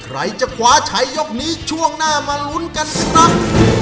ใครจะคว้าใช้ยกนี้ช่วงหน้ามาลุ้นกันครับ